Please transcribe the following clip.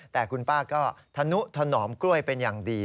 แต่คุณป้าก็ธนุถนอมกล้วยเป็นอย่างดี